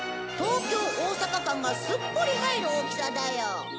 東京大阪間がすっぽり入る大きさだよ。